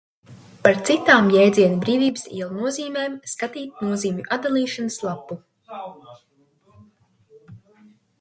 Par citām jēdziena Brīvdabas iela nozīmēm skatīt nozīmju atdalīšanas lapu.